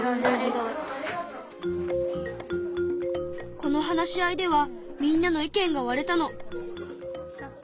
この話し合いではみんなの意見がわれたの。